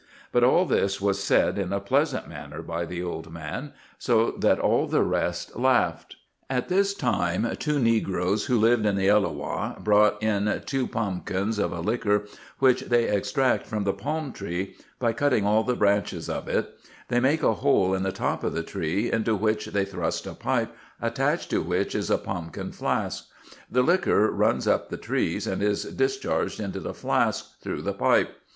But all this was said in a pleasant manner by the old man, so that all the rest laughed. At this time two negroes who lived in the Elloah brought in two pomkins of a liquor which they extract from the palm tree, by cutting all the branches of it ; they make a hole in the top of the tree, into which they thrust a pipe, attached to which is a pomkin flask ; the liquor runs up the trees, and is discharged into the flask through the pipe.